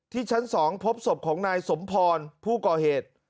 ชั้น๒พบศพของนายสมพรผู้ก่อเหตุ